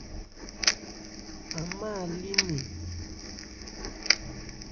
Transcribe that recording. An má a lí nnɛn.